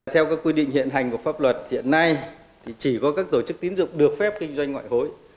theo các quy định hiện hành của pháp luật hiện nay thì chỉ có các tổ chức tín dụng được phép kinh doanh ngoại hối